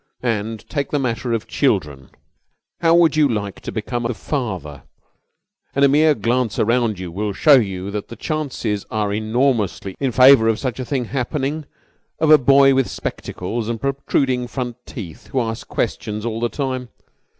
"And take the matter of children. How would you like to become the father and a mere glance around you will show you that the chances are enormously in favour of such a thing happening of a boy with spectacles and protruding front teeth who asks questions all the time?